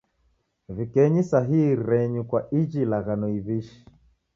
W'ikenyi sahii renyu kwa iji ilaghano iw'ishi